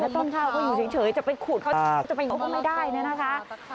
ต้นข้าวก็อยู่เฉยจะไปขุดจะไปไม่ได้นะนะคะ